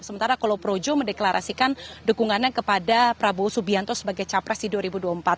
sementara kalau projo mendeklarasikan dukungannya kepada prabowo subianto sebagai capres di dua ribu dua puluh empat